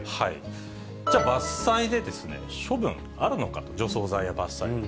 じゃあ、伐採で処分あるのか、除草剤や伐採。